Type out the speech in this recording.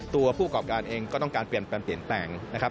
ตัวผู้กรอบการเองก็ต้องการเปลี่ยนแปลงนะครับ